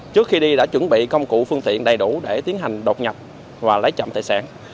trước khi đi đã chuẩn bị công cụ phương tiện đầy đủ để tiến hành đột nhập và lấy trộm tài sản